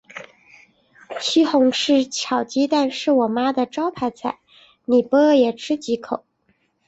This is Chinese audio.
西红柿炒鸡蛋是我妈的招牌菜，你不饿也吃几口。